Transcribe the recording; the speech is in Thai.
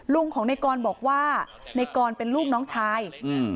ลุงของในกรบอกว่าในกรเป็นลูกน้องชายอืม